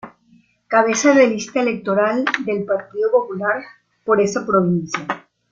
Cabeza de lista electoral del Partido Popular por esa provincia.